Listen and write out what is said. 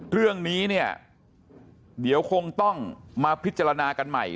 เรื่องนี้เนี่ยเดี๋ยวคงต้องมาพิจารณากันใหม่